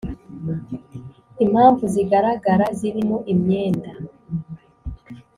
Impamvu zigaragara zirimo imyenda.